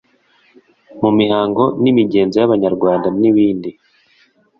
mu mihango n’imigenzo y’Abanyarwanda n’ibindi.